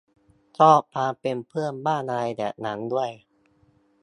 ชอบความเป็นเพื่อนบ้านอะไรแบบนั้นด้วย